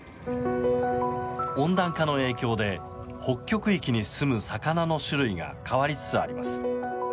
温暖化の影響で北極域にすむ魚の種類が変わりつつあります。